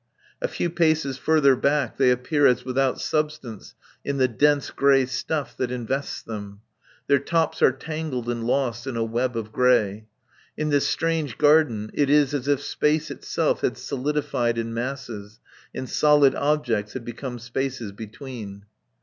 A few paces further back they appear as without substance in the dense grey stuff that invests them; their tops are tangled and lost in a web of grey. In this strange garden it is as if space itself had solidified in masses, and solid objects had become spaces between.